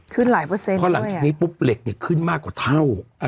หลายเปอร์เซ็นต์เพราะหลังจากนี้ปุ๊บเหล็กเนี่ยขึ้นมากกว่าเท่า